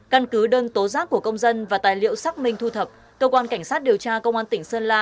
căn cứ đơn tố giác của công dân và tài liệu xác minh thu thập cơ quan cảnh sát điều tra công an tỉnh sơn la